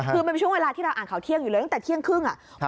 คือมันเป็นช่วงเวลาที่เราอ่านข่าวเที่ยงอยู่เลยตั้งแต่เที่ยงครึ่ง